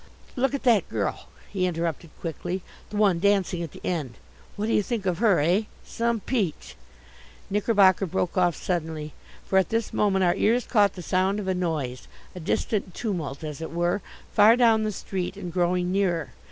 "Look at that girl," he interrupted quickly, "the one dancing at the end. What do you think of her, eh? Some peach!" Knickerbocker broke off suddenly. For at this moment our ears caught the sound of a noise, a distant tumult, as it were, far down the street and growing nearer.